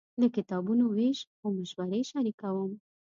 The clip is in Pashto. د کتابونو وېش او مشورې شریکوم.